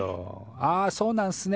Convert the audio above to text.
「ああそうなんすね。